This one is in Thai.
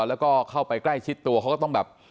แล้วก็เข้าไปใกล้ชิดตัวเขาก็ต้องแบบ